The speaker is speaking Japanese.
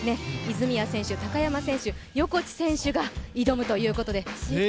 泉谷選手、高山選手、横地選手が挑むということで。